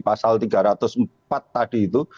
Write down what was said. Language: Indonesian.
pasal tiga ratus empat tadi itu